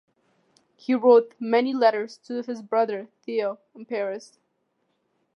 He wrote many letters to his brother Theo in Paris.